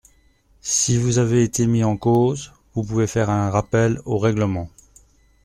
Si vous avez été mis en cause, vous pouvez faire un rappel au règlement.